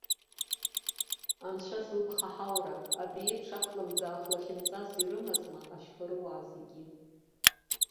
Анцәа злыԥха ҳаура, абри еиԥш ахлымӡаах лахьынҵас ирымазма ашьхарыуаа зегьы?